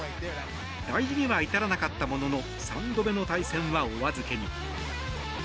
大事には至らなかったものの３度目の対戦はお預けに。